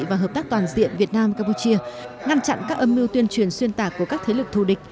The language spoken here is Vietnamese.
và hợp tác toàn diện việt nam campuchia ngăn chặn các âm mưu tuyên truyền xuyên tạc của các thế lực thù địch